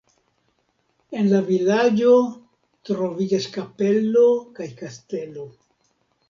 En la vilaĝo troviĝas kapelo kaj kastelo.